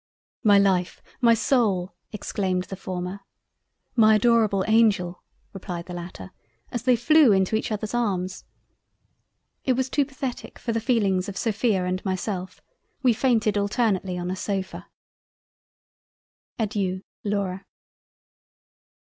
"My Life! my Soul!" (exclaimed the former) "My adorable angel!" (replied the latter) as they flew into each other's arms. It was too pathetic for the feelings of Sophia and myself—We fainted alternately on a sofa. Adeiu Laura.